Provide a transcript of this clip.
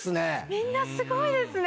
みんなすごいですね。